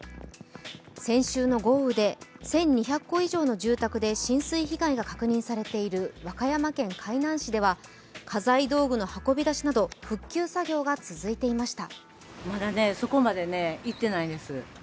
先週の豪雨で１２００戸以上の住宅で浸水被害が確認されている和歌山県海南市では、家財道具の運び出しなど復旧作業が続いていました。